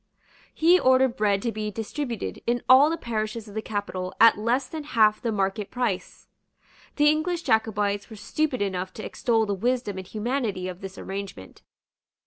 He ordered bread to be distributed in all the parishes of the capital at less than half the market price. The English Jacobites were stupid enough to extol the wisdom and humanity of this arrangement.